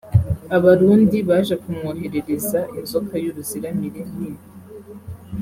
Abarundi baje kumwoherereza inzoka y’uruziramire runini